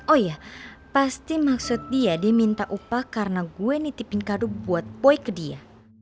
oh iya pasti maksud dia diminta upah karena gue nitipin kadu buat boy ke dia